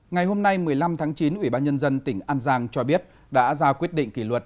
ngày hôm nay một mươi năm tháng chín ủy ban nhân dân tỉnh an giang cho biết đã ra quyết định kỷ luật